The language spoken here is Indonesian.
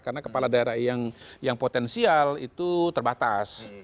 karena kepala daerah yang potensial itu terbatas